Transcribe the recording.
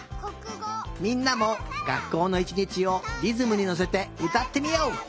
みんなもがっこうのいちにちをリズムにのせてうたってみよう。